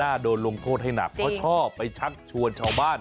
โดนลงโทษให้หนักเพราะชอบไปชักชวนชาวบ้าน